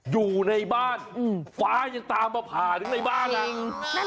อยู่ในบ้านฟ้ายังตามมาผ่าถึงในบ้านอ่ะ